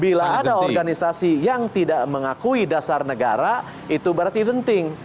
bila ada organisasi yang tidak mengakui dasar negara itu berarti genting